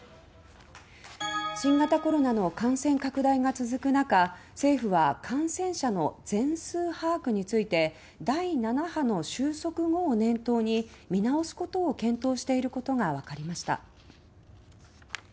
新型コロナの感染拡大が続く中政府は感染者の全数把握について第７波の収束後を念頭に見直すことを検討していることがわかりました。